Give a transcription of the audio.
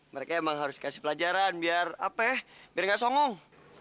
mereka emang harus dikasih pelajaran biar apeh biar gak songong